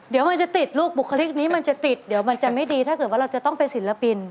เดี๋ยวมันจะติดลูกบุคลิกนี้มันจะติดเดี๋ยวมันจะไม่ดีถ้าเกิดว่าเราจะต้องเป็นศิลปิน